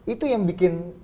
itu yang bikin